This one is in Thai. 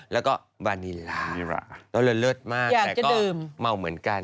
แล้วก็บานีรานีระเลิศมากแต่ก็เมาเหมือนกัน